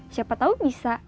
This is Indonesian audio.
siapa tau bisa